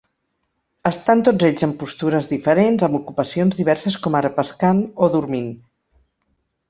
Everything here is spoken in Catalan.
Estan tots ells en postures diferents amb ocupacions diverses com ara pescant o dormint.